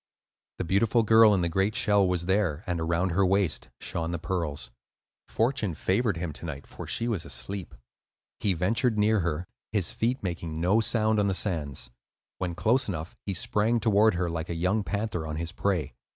The beautiful girl in the great shell was there, and around her waist shone the pearls. Fortune favored him to night, for she was asleep. He ventured near her, his feet making no sound on the sands. When close enough he sprang toward her, like a young panther on his prey.